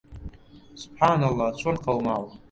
سوبحانەڵڵا چۆن قەوماوە!